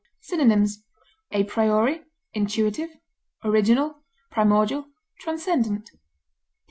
Synonyms: a priori, intuitive, original, primordial, transcendent.